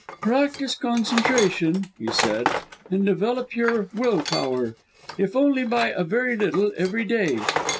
"Practise concentration," he said, "and develop your will power, if only by a very little, every day.